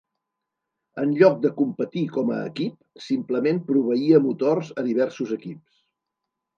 En lloc de competir com a equip, simplement proveïa motors a diversos equips.